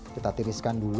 kita tiriskan dulu